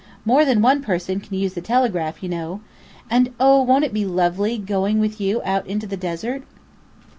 More than one person can use the telegraph, you know! And oh, won't it be lovely going with you out into the desert!"